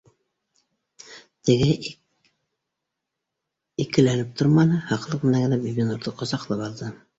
Тегеһе ике- мәнеп торманы, һаҡлыҡ менән генә Бибинурҙы ҡосаҡлап алды